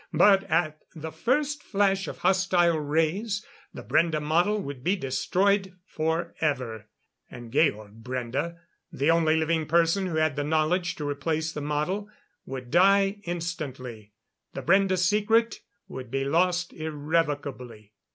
But at the first flash of hostile rays, the Brende model would be destroyed forever. And Georg Brende the only living person who had the knowledge to replace the model would die instantly. The Brende secret would be lost irrevocably.